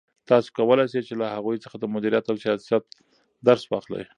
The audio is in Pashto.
تاسو کولای شئ چې له هغوی څخه د مدیریت او سیاست درس واخلئ.